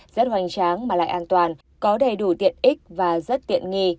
rất hoành tráng mà lại an toàn có đầy đủ tiện ích và rất tiện nghi